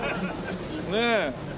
ねえ。